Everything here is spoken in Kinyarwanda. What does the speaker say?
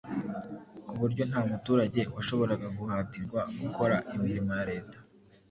ku buryo nta muturage washoboraga guhatirwa gukora imirimo ya Leta